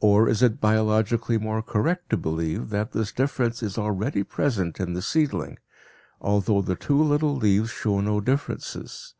Or is it biologically more correct to believe that this difference is already present in the seedling, although the two little leaves show no differences?